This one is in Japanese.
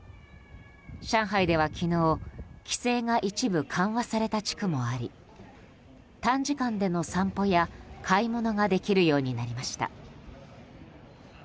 上海では昨日規制が一部緩和された地区もあり短時間での散歩や買い物ができるようになりました。